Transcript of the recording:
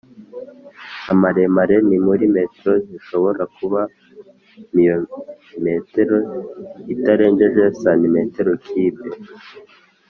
amaremare ni muri m zishobora kuba m iyo moteri itarengeje cm kibe